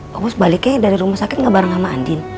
pak bos baliknya dari rumah sakit nggak bareng sama andin